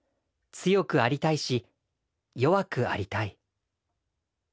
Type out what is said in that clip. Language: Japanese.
強くありたいし弱くありたい。